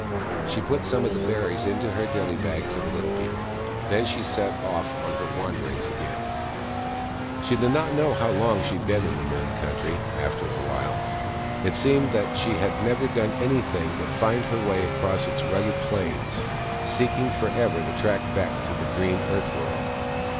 She put some of the berries into her dilly bag for the Little People. Then she set off on her wanderings again. THE MAIDEN WHO FOUND THE MOON 147 She did not know how long she had been in the Moon Country, after a while. It seemed that she had never done anything but find her way across its rugged plains, seeking ever for the track back to the green Earth World.